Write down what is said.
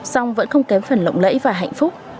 song vẫn không kém phần lộng lẫy và hạnh phúc